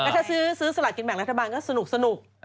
ถ้าซื้อสลากินแบ่งรัฐบาลก็สนุก